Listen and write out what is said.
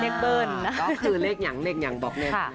คือเลขอย่างเล็กอย่างบอกเลข